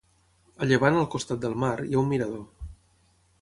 A llevant al costat del mar, hi ha un mirador.